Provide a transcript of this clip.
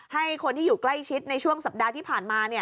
ให้คนที่อยู่ใกล้ชิดในช่วงสัปดาห์ที่ผ่านมา